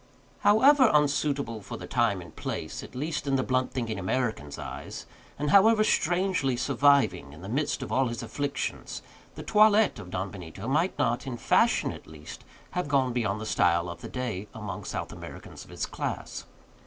However unsuitable for the time and place, at least in the blunt thinking American's eyes, and however strangely surviving in the midst of all his afflictions, the toilette of Don Benito might not, in fashion at least, have gone beyond the style of the day among South Americans of his class.